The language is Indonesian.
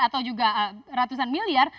atau juga ratusan miliar